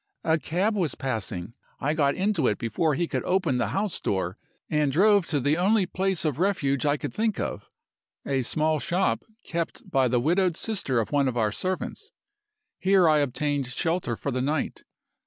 A cab was passing. I got into it before he could open the house door, and drove to the only place of refuge I could think of a small shop, kept by the widowed sister of one of our servants. Here I obtained shelter for the night.